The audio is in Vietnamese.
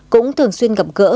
cũng thường xuyên gặp gỡ